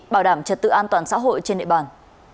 bảo đảm trật tự an toàn xã hội trên địa bàn